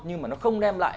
nhưng mà nó không đem lại